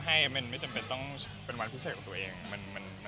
ให้มันไม่จำเป็นต้องเป็นวันพิเศษของตัวเอง